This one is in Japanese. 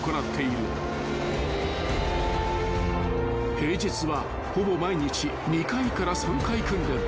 ［平日はほぼ毎日２回から３回訓練］